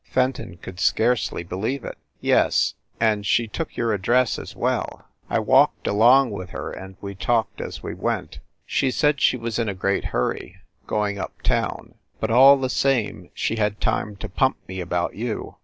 Fenton could scarcely believe it. "Yes, and she took your address as well! I walked along with her and we talked as we went She said she was in a great hurry, going up town, but all the same she had time to pump me about you.